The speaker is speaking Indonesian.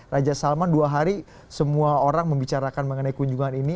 raja salman dua hari semua orang membicarakan mengenai kunjungan ini